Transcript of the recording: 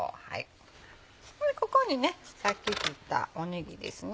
ここにねさっき切ったねぎですね。